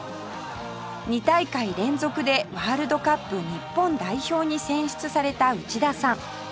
２大会連続でワールドカップ日本代表に選出された内田さん